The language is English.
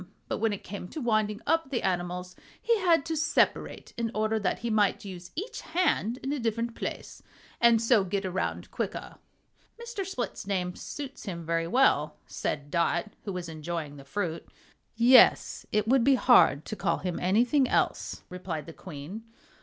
But when it came to winding up the animals he had to separate in order that he might use each hand in a different place, and so get around quicker." "Mr. Split's name suits him very well," said Dot, who was enjoying the fruit. "Yes, it would be hard to call him anything else," replied the Queen.